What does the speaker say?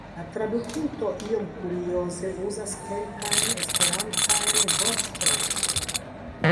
La tradukinto iom kurioze uzas kelkajn esperantajn vortojn.